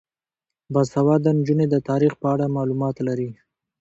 باسواده نجونې د تاریخ په اړه معلومات لري.